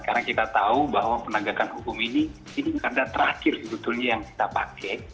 karena kita tahu bahwa penegakan hukum ini ini adalah terakhir sebetulnya yang kita pakai